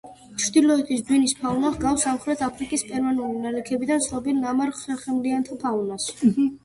ჩრდილოეთის დვინის ფაუნა ჰგავს სამხრეთ აფრიკის პერმული ნალექებიდან ცნობილ ნამარხ ხერხემლიანთა ფაუნას.